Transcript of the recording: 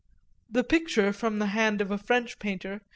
The picture, from the hand of a French painter, M.